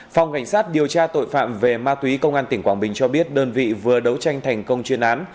phòng cảnh sát điều tra tội phạm về ma túy công an tỉnh quảng bình cho biết đơn vị vừa đấu tranh thành công chuyên án